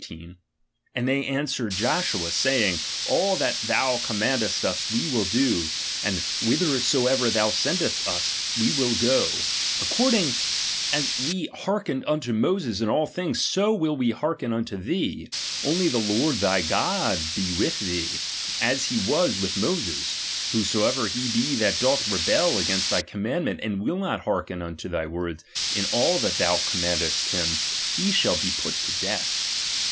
16 18): And they answered Joshua, saying, all that thou commandest us, we will do; " and IE hit her soever thou sendest vs, we will go ; according as we hearkened vnto Moses in all things, so will we hearken unto thee ; only the Lord thy God he with thee, as he was with Moses ; whosoever he be that doth rebel against thy commandment, and will not hearhen unto thy words in all that thou commandest him, he shall he put to death.